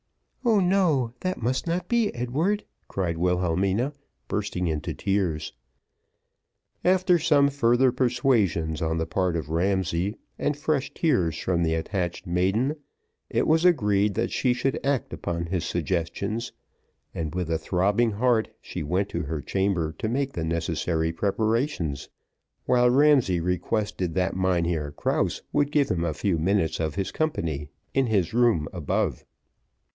"Oh no, that must not be, Edward," cried Wilhelmina, bursting into tears. After some further persuasions on the part of Ramsay, and fresh tears from the attached maiden, it was agreed that she should act upon his suggestions, and with a throbbing heart, she went to her chamber to make the necessary preparations, while Ramsay requested that Mynheer Krause would give him a few minutes of his company in his room above.